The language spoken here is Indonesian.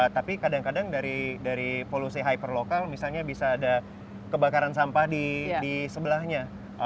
tapi kadang kadang dari polusi hyper lokal misalnya bisa ada kebakaran sampah di sebelahnya